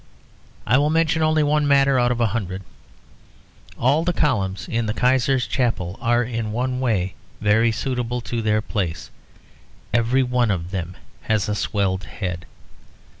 I will mention only one matter out of a hundred. All the columns in the Kaiser's Chapel are in one way very suitable to their place; every one of them has a swelled head.